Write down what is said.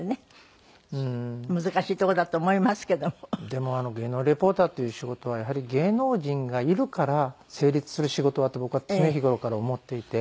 でも芸能リポーターっていう仕事はやはり芸能人がいるから成立する仕事だと僕は常日頃から思っていて。